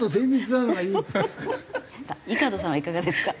さあ井門さんはいかがですか？